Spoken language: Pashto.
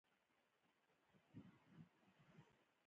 خپلې ستونزې او غوښتنې له پارلمان سره شریکې کړي.